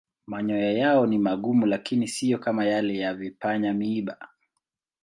Manyoya yao ni magumu lakini siyo kama yale ya vipanya-miiba.